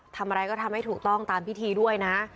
ทำอะไรก็ทำให้ถูกต้องตามพิธีด้วยนะ